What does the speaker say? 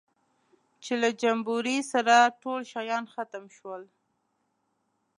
چې له جمبوري سره ټول شیان ختم شول.